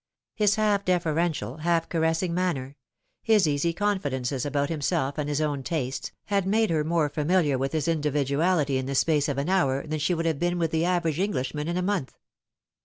His half deferential, half caressing manner ; his easy confi dences about himself and his own tastes, had made her more familiar with his individuality in the space of an hour than she would have been with the average Englishman in a month.